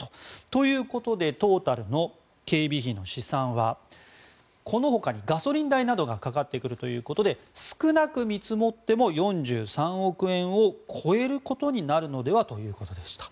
ということでトータルの警備費の試算はこのほかにガソリン代などがかかってくるということで少なく見積もっても４３億円を超えることになるのではということでした。